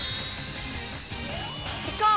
いこう！